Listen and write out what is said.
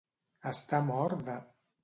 Estar mort de.